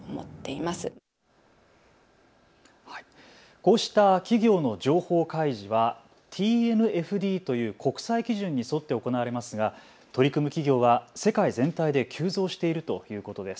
こうした企業の情報開示はＴＮＦＤという国際基準に沿って行われますが、取り組む企業は世界全体で急増しているということです。